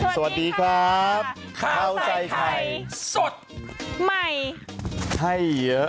สวัสดีครับข้าวใส่ไข่สดใหม่ให้เยอะ